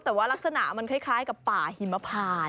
แต่ว่ารักษณะมันคล้ายกับป่าหิมพาน